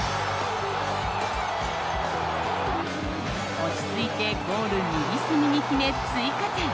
落ち着いてゴール右隅に決め追加点。